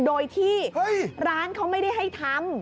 โดยที่ร้านเขาไม่ได้ให้ทำ